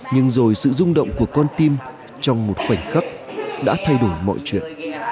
nhưng rồi sự rung động của con tim trong một khoảnh khắc đã thay đổi mọi chuyện